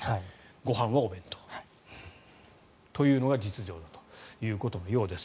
ご飯はお弁当というのが実情だということのようです。